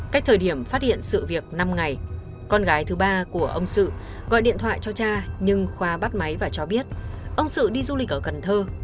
cách thời điểm phát hiện sự việc năm ngày con gái thứ ba của ông sự gọi điện thoại cho cha nhưng khoa bắt máy và cho biết ông sự đi du lịch ở cần thơ